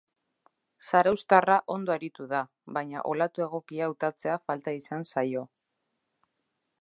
Zarauztarra ondo aritu da, baina olatu egokia hautatzea falta izan zaio.